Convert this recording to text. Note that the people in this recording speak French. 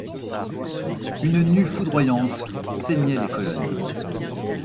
Une nue foudroyante ceignait les colonnes.